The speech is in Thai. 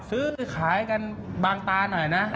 ซื้อขายกันบางตาหน่อยนะ